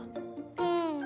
うん。